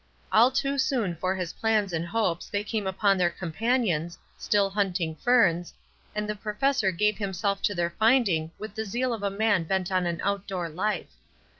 All too soon for his plans and hopes they came upon their companions, still hunting ferns, and the professor gave himself to their finding with the zeal of a man bent on an outdoor Ufe.